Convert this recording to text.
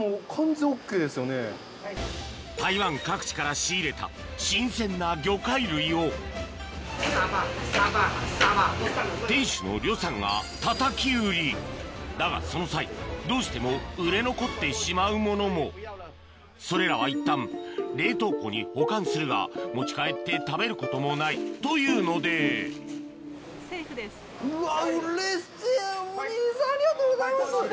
台湾各地から仕入れた新鮮な魚介類を店主のだがその際どうしても売れ残ってしまうものもそれらはいったん冷凍庫に保管するが持ち帰って食べることもないというのでうわうれしい！